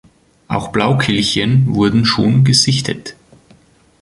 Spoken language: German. Auch Blaukehlchen wurden schon gesichtet.